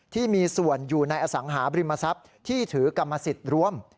ที่มีส่วนอยู่ในอสังหาบริมทรัพย์ที่ถือกรรมสิทธิ์รวม